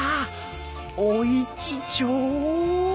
おいちちょう！